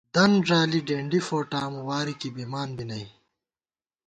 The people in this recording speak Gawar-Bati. دن ݫالی ڈېنڈی فوٹامہ ، واری کی بِمان بی نئ